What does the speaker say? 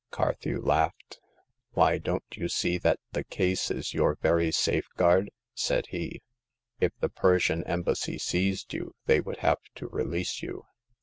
Carthew laughed. " Why, don't you see that the case is your very safeguard ?" said he. " If the Persian Embassy seized you, they would have to release you.